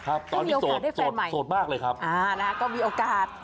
ครับตอนนี้โสดโสดโสดมากเลยครับอ่านะฮะก็มีโอกาส